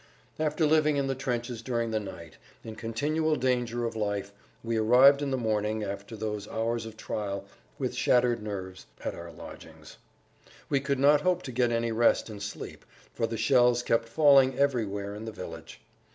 After living in the trenches during the night, in continual danger of life, we arrived in the morning, after those hours of trial, with shattered nerves, at our lodgings. We could not hope to get any rest and sleep, for the shells kept falling everywhere in the village.